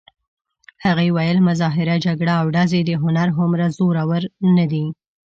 هغې ویل: مظاهره، جګړه او ډزې د هنر هومره زورور نه دي.